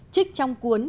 trích trong cuốn